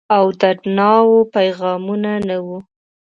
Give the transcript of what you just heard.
او دردڼاوو پیغامونه، نه وه